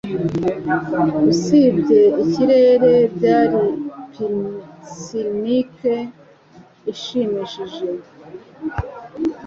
Usibye ikirere, byari picnic ishimishije.